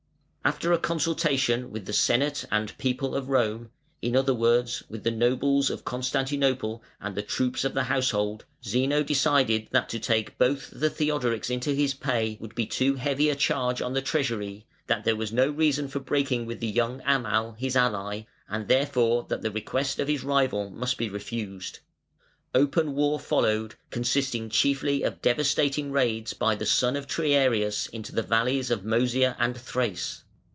After a consultation with "the Senate and People of Rome", in other words, with the nobles of Constantinople and the troops of the household, Zeno decided that to take both the Theodorics into his pay would be too heavy a charge on the treasury; that there was no reason for breaking with the young Amal, his ally, and therefore that the request of his rival must be refused. Open war followed, consisting chiefly of devastating raids by the son of Triarius into the valleys of Mœsia and Thrace.